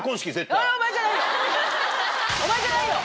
あお前じゃない！